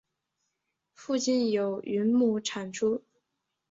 附近有云母产出。